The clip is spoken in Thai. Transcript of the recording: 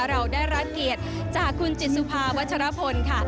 เราได้รับเกียรติจากคุณจิตสุภาวัชรพลค่ะ